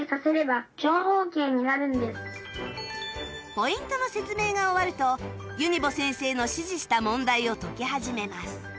ポイントの説明が終わるとユニボ先生の指示した問題を解き始めます